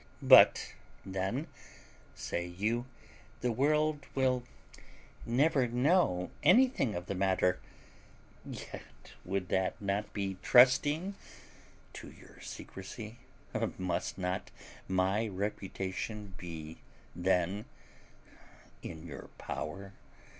But then, say you, the world will never know anything of the matter; yet would not that be trusting to your secrecy? Must not my reputation be then in your power?